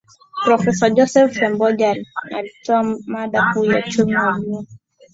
Profesa Joseph Semboja alitoa mada kuu ya Uchumi wa Buluu